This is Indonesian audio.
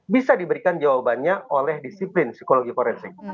bisa diberikan jawabannya oleh disiplin psikologi forensik